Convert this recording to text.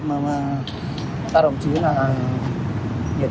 thế nhưng mà cái trách nhiệm của các đồng chí rất là cao cả